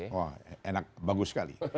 wah enak bagus sekali